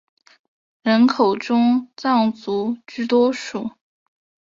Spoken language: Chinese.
人口中藏族居多数。